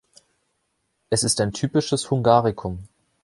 Es ist ein typisches Hungarikum.